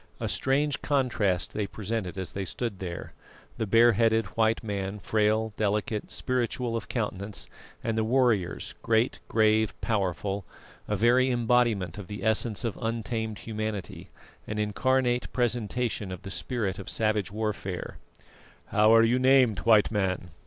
A strange contrast they presented as they stood there; the bare headed white man frail, delicate, spiritual of countenance, and the warriors great, grave, powerful, a very embodiment of the essence of untamed humanity, an incarnate presentation of the spirit of savage warfare. "How are you named, White Man?"